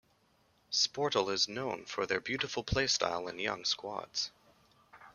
Sportul is known for their beautiful play-style and young squads.